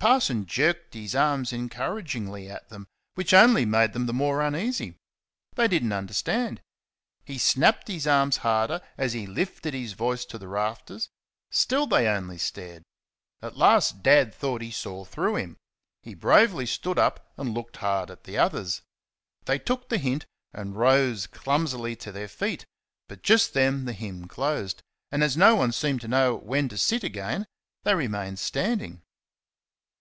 The parson jerked his arms encouragingly at them, which only made them the more uneasy. They did n't understand. He snapped his arms harder, as he lifted his voice to the rafters; still they only stared. At last Dad thought he saw through him. He bravely stood up and looked hard at the others. They took the hint and rose clumsily to their feet, but just then the hymn closed, and, as no one seemed to know when to sit again, they remained standing.